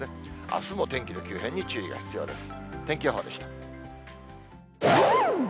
あすも天気の急変に注意が必要です。